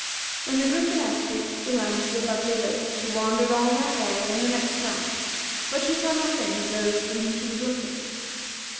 When the Gryphoness reached the Land of the Lovely Lakes, she wandered all that day and the next night; but she saw nothing of those for whom she was looking.